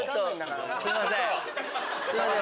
すいません。